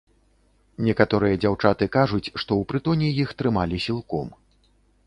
Некаторыя дзяўчаты кажуць, што ў прытоне іх трымалі сілком.